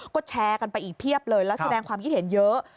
ก็แชร์กันไปอีกเพียบเลยแล้วแสดงความคิดเห็นเยอะ